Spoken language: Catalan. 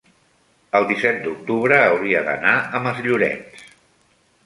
el disset d'octubre hauria d'anar a Masllorenç.